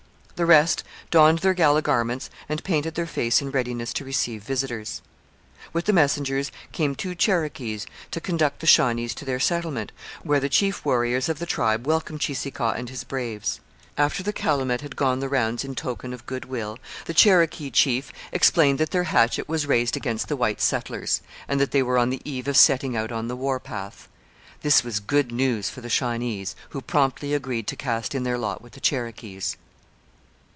The rest donned their gala garments and painted their faces in readiness to receive visitors. With the messengers came two Cherokees to conduct the Shawnees to their settlement, where the chief warriors of the tribe welcomed Cheeseekau and his braves. After the calumet had gone the rounds in token of goodwill, the Cherokee chief explained that their hatchet was raised against the white settlers, and that they were on the eve of setting out on the war path. This was good news for the Shawnees, who promptly agreed to cast in their lot with the Cherokees.